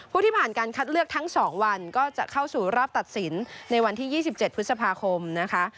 ที่ผ่านการคัดเลือกทั้ง๒วันก็จะเข้าสู่รอบตัดสินในวันที่๒๗พฤษภาคมนะคะ